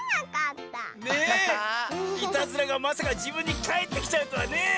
いたずらがまさかじぶんにかえってきちゃうとはねえ。